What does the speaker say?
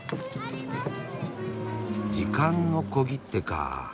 時間の小切手かあ。